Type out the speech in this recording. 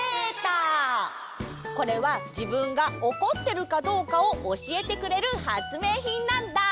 これはじぶんがおこってるかどうかをおしえてくれるはつめいひんなんだ。